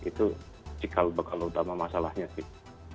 itu cikal bakal utama masalahnya sih